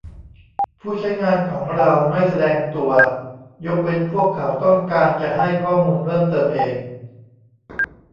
ผู้ใช้งานของเราไม่แสดงตัว ยกเว้นพวกเขาต้องการจะให้ข้อมูลเพิ่มเติมเอง